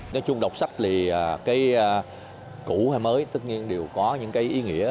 nói chung đọc sách thì cái cũ hay mới tất nhiên đều có những cái ý nghĩa